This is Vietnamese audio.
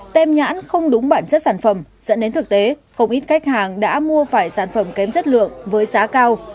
tem nhãn không đúng bản chất sản phẩm dẫn đến thực tế không ít khách hàng đã mua phải sản phẩm kém chất lượng với giá cao